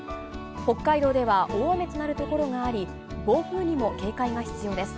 北海道では大雨となる所があり、暴風にも警戒が必要です。